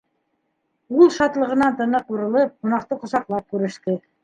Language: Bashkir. — Ул, шатлығынан тыны ҡурылып, ҡунаҡты ҡосаҡлап күреште.